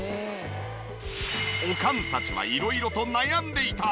おかんたちは色々と悩んでいた。